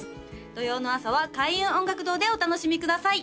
土曜の朝は開運音楽堂でお楽しみください